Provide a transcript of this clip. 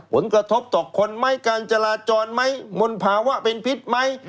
ผลกระทบต่อคนไหมการจราจรไหมมนต์ภาวะเป็นพิษไหม